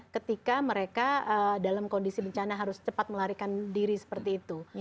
ketika mereka dalam kondisi bencana harus cepat melarikan diri seperti itu